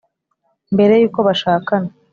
mbere y’uko bashakana,